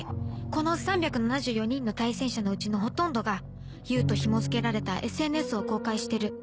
この３７４人の対戦者のうちのほとんどがＵとひも付けられたＳＮＳを公開してる。